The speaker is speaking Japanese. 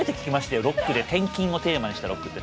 ロックで転勤をテーマにしたロックって。